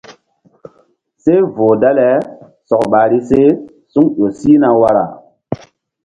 Seh voh dale sɔk ɓahri se suŋ ƴo sihna wara.